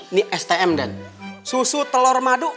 ini stm dan susu telur madu